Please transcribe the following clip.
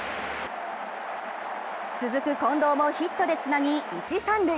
続く近藤もヒットでつなぎ一・三塁。